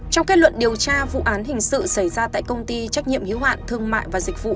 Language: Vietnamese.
trong kết luận điều tra vụ án hình sự xảy ra tại công ty trách nhiệm hiếu hạn thương mại và dịch vụ